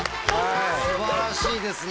素晴らしいですね。